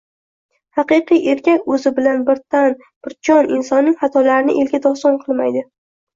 Haqiqiy erkak o‘zi bilan bir tan-bir jon insonning xatolarini elga doston qilmaydi.